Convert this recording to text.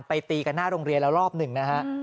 ตีกันหน้าโรงเรียนแล้วรอบหนึ่งนะฮะ